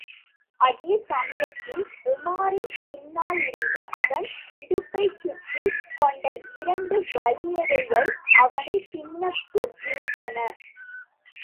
அதே சமயத்தில், உமாரின் பின்னாலிருந்து அவன் இடுப்பைச் சுற்றிக் கொண்ட இரண்டு வலியகைகள் அவனைப் பின்னுக்கு இழுத்தன.